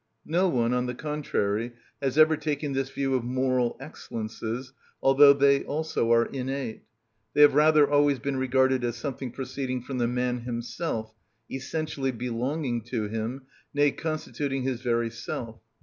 No one, on the contrary, has ever taken this view of moral excellences, although they also are innate; they have rather always been regarded as something proceeding from the man himself, essentially belonging to him, nay, constituting his very self.